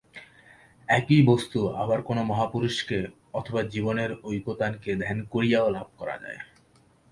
একই বস্তু আবার কোন মহাপুরুষকে, অথবা জীবনের ঐকতানকে ধ্যান করিয়াও লাভ করা যায়।